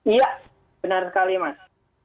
iya benar sekali mas